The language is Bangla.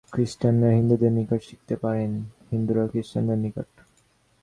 খ্রীষ্টানরা হিন্দুদের নিকট শিখিতে পারেন, হিন্দুরাও খ্রীষ্টানদের নিকট।